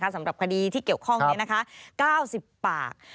สำหรับคดีที่เกี่ยวข้องนี้๙๐ปาก